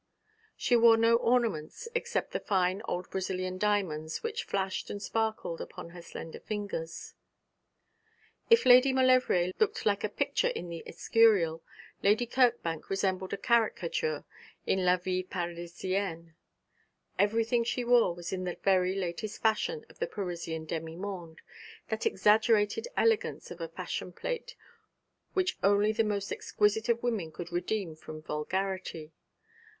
She wore no ornaments except the fine old Brazilian diamonds which flashed and sparkled upon her slender fingers. If Lady Maulevrier looked like a picture in the Escurial, Lady Kirkbank resembled a caricature in La Vie Parisienne. Everything she wore was in the very latest fashion of the Parisian demi monde, that exaggerated elegance of a fashion plate which only the most exquisite of women could redeem from vulgarity.